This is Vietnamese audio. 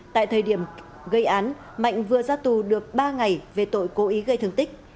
tại thời điểm gây án mạnh vừa ra tù được ba ngày về tội cố ý gây thương tích